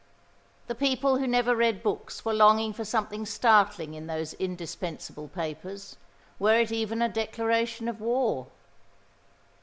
The people who never read books were longing for something startling in those indispensable papers, were it even a declaration of war.